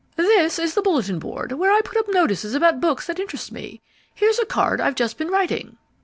"This is the bulletin board, where I put up notices about books that interest me. Here's a card I've just been writing."